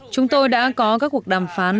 chúng tôi đã có các cuộc đàm phán